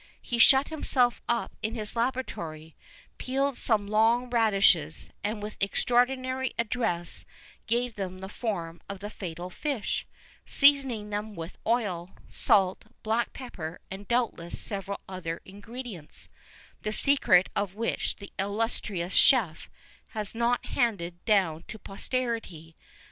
He shut himself up in his laboratory, peeled some long radishes, and with extraordinary address gave them the form of the fatal fish, seasoning them with oil, salt, black pepper, and doubtless several other ingredients, the secret of which the illustrious chef has not handed down to posterity.